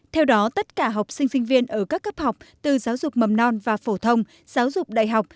theo đó tất cả học sinh sinh viên ở các cấp học từ giáo dục mầm non và phổ thông giáo dục đại học